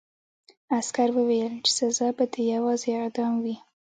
عسکر وویل چې سزا به دې یوازې اعدام وي